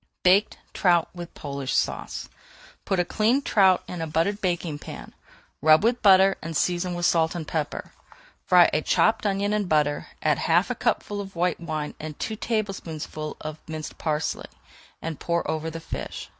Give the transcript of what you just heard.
BAKED TROUT WITH POLISH SAUCE Put a cleaned trout into a buttered baking pan, [Page 420] rub with butter, and season with salt and pepper. Fry a chopped onion in butter, add half a cupful of white wine and two tablespoonfuls of minced parsley, and pour over the fish.